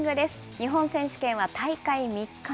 日本選手権は大会３日目。